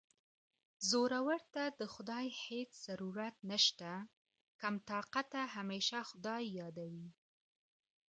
زورور ته د خدای هېڅ ضرورت نشته کم طاقته همېشه خدای یادوي